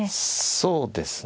そうですね。